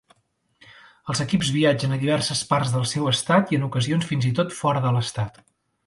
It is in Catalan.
Els equips viatgen a diverses parts del seu estat i en ocasions fins i tot fora de l'estat.